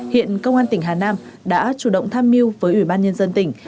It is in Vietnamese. hiện công an tỉnh hà nam đã chủ động tham mưu với ủy ban nhân dân tỉnh